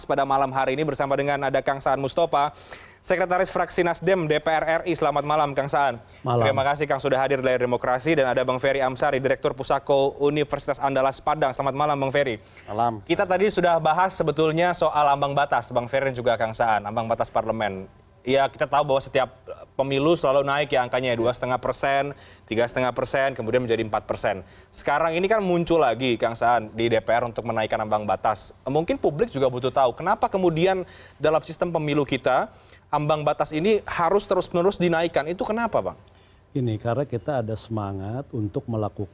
pertama pertama pertama